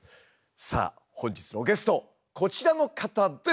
さあ本日のゲストこちらの方です！